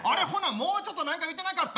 もうちょっと何か言うてなかった？